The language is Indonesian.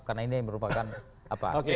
karena ini merupakan apa